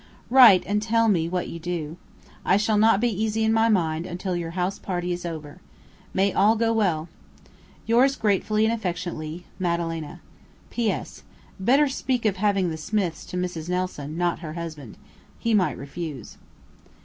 Write and tell me what you do. I shall not be easy in my mind until your house party is over. May all go well! Yours gratefully and affectionately, Madalena. P.S. Better speak of having the Smiths, to Mrs. Nelson, not her husband. He might refuse.